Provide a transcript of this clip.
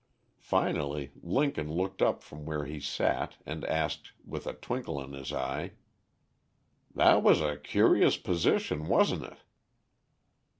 Finally Lincoln looked up from where he sat, and asked, with a twinkle in his eye: "That was a curious position, wasn't it?"